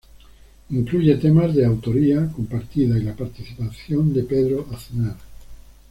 Incluye temas de autoría compartida y la participación de Pedro Aznar.